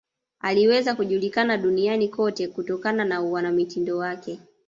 aliweza kujulikana duniani kote kutokana na uanamitindo wake